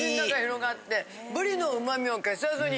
ブリの旨味を消さずに。